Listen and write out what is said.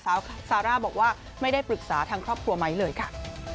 ซาร่าบอกว่าไม่ได้ปรึกษาทางครอบครัวไหมเลยค่ะ